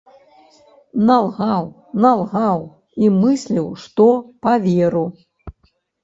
Налгаў, налгаў і мысліў, што паверу.